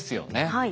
はい。